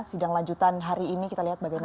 sidang lanjutan hari ini kita lihat bagaimana